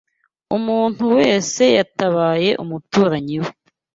Umuntu wese yatabaye umuturanyi we